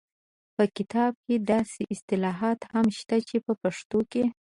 په کتاب کې داسې اصطلاحات هم شته چې په پښتو کې